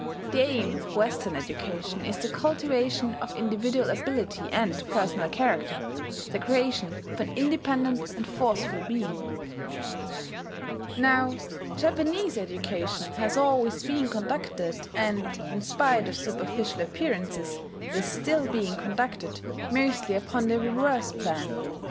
The aim of Western education is the cultivation of individual ability and personal character, the creation of an independent and forceful being. Now Japanese education has always been conducted, and, in spite of superficial appearances, is still being conducted, mostly upon the reverse plan.